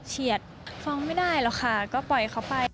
เฉียดฟ้องไม่ได้หรอกค่ะก็ปล่อยเขาไป